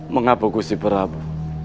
mengapa gusti prabu